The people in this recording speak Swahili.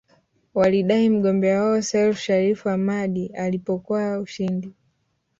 Walidai mgombea wao Seif Shariff Hamad alipokwa ushindi